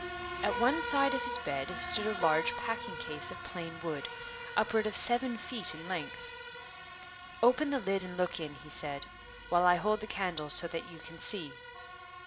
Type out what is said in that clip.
At one side of his bed stood a large packing case of plain wood, upward of seven feet in length. "Open the lid and look in," he said, "while I hold the candle so that you can see."